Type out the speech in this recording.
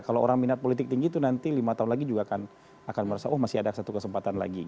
kalau orang minat politik tinggi itu nanti lima tahun lagi juga akan merasa oh masih ada satu kesempatan lagi